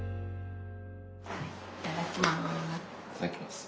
いただきます。